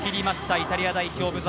イタリア代表、ブザ